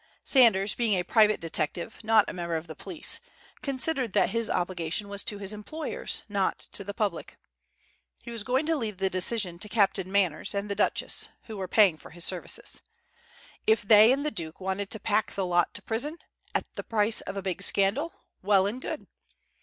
Sanders being a private detective, not a member of the police, considered that his obligation was to his employers, not to the public. He was going to leave the decision to Captain Manners and the Duchess who were paying for his services. If they and the Duke wanted to pack the lot to prison, at the price of a big scandal, well and good.